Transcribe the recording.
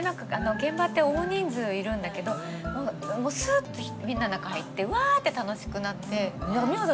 現場って大人数いるんだけどもうすっとみんなの中入ってうわって楽しくなって。